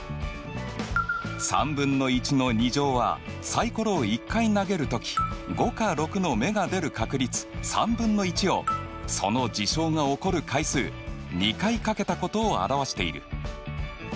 ３分の１の２乗はサイコロを１回投げるとき５か６の目が出る確率３分の１をその事象が起こる回数２回掛けたことを表している。